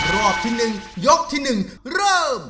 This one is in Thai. รอบทีนึงยกที่หนึ่งเริ่ม